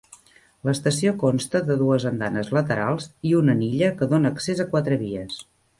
L'estació consta de dues andanes laterals i un en illa que dona accés a quatre vies.